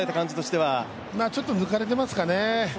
ちょっと抜かれていますかね。